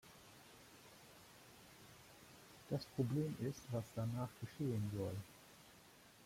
Das Problem ist, was danach geschehen soll.